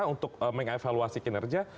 untuk mengevaluasi kinerja